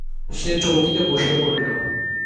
সে চৌকিতে বসিয়া পড়িল।